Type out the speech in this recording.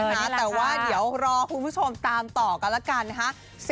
แต่ว่าเดี๋ยวรอคุณผู้ชมตามต่อกันแล้วกันนะคะ